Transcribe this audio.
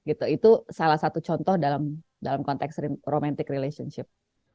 itu salah satu contoh dalam konteks romantic relationship